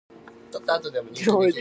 録音ができません。